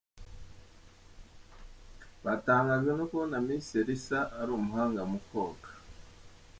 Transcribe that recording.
Batangajwe no kubona Miss Elsa ari umuhanga mu koga,.